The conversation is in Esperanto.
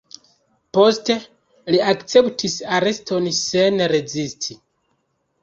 Poste li akceptis areston sen rezisti.